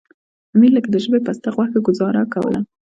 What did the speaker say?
امیر لکه د ژبې پسته غوښه ګوزاره کوله.